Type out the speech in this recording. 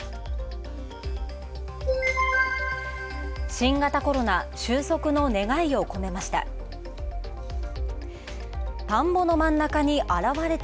新型コロナ収束の願いを込めました。